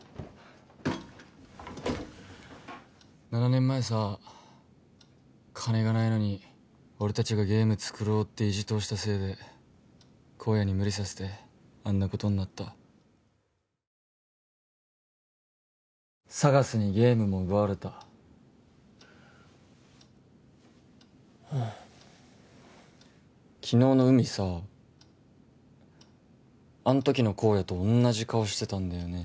７年前さ金がないのに俺達がゲーム作ろうって意地通したせいで公哉に無理させてあんなことになったＳＡＧＡＳにゲームも奪われたああ昨日の海さあん時の公哉と同じ顔してたんだよね